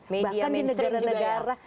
media mainstream juga ya bahkan di negara negara